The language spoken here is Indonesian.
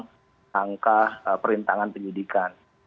yang sudah menghujatkan perintangan penyidikan